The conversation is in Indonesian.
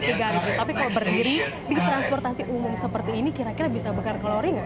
tapi kalau berdiri di transportasi umum seperti ini kira kira bisa bakar kalori nggak